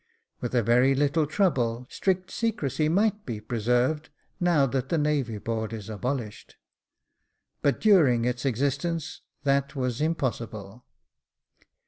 With a very little trouble strict secrecy might be preserved, now that the Navy Board is abolished ; but during its existence that was impossible.